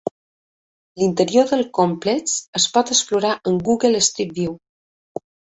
L"interior del complex es pot explorar amb Google Street View.